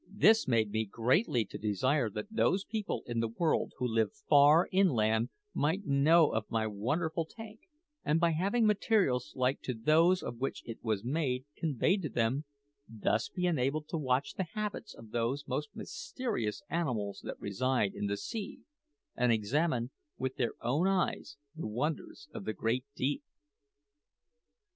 This made me greatly to desire that those people in the world who live far inland might know of my wonderful tank, and by having materials like to those of which it was made conveyed to them, thus be enabled to watch the habits of those most mysterious animals that reside in the sea, and examine with their own eyes the wonders of the great deep.